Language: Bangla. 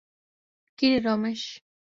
কিরে, রমেশ?